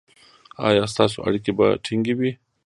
ایا ستاسو اړیکې به ټینګې وي؟